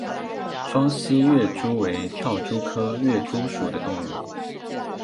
双栖跃蛛为跳蛛科跃蛛属的动物。